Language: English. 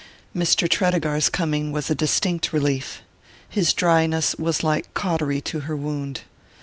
Mr. Tredegar's coming was a distinct relief. His dryness was like cautery to her wound.